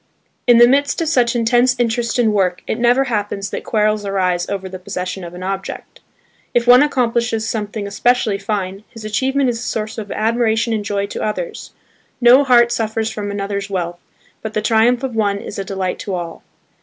In the midst of such intense interest in work it never happens that quarrels arise over the possession of an object. If one accomplishes something especially fine, his achievement is a source of admiration and joy to others: no heart suffers from another's wealth, but the triumph of one is a delight to all.